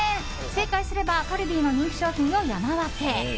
正解すればカルディの人気商品を山分け！